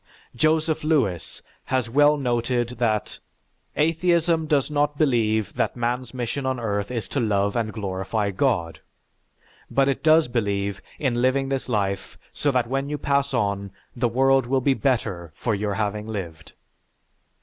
Joseph Lewis has well noted that, "Atheism does not believe that man's mission on earth is to love and glorify God, but it does believe in living this life so that when you pass on, the world will be better for your having lived."